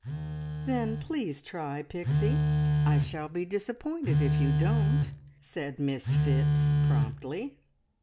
"Then please try, Pixie! I shall be disappointed if you don't!" said Miss Phipps promptly.